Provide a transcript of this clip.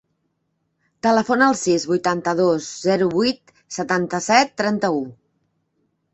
Telefona al sis, vuitanta-dos, zero, vuit, setanta-set, trenta-u.